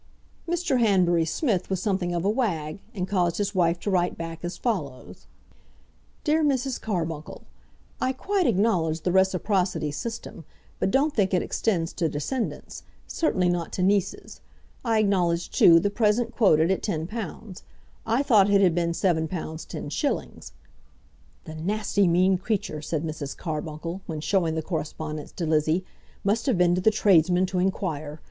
Mr. Hanbury Smith was something of a wag, and caused his wife to write back as follows: DEAR MRS. CARBUNCLE, I quite acknowledge the reciprocity system, but don't think it extends to descendants, certainly not to nieces. I acknowledge, too, the present quoted at £10. I thought it had been £7 10s. ["The nasty, mean creature," said Mrs. Carbuncle, when showing the correspondence to Lizzie, "must have been to the tradesman to inquire!